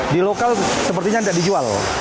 di lokal sepertinya tidak dijual